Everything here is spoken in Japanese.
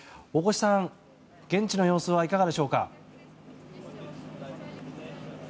大越さん、現地の様子はいかがでしょうか。